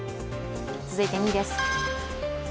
続いて２位です。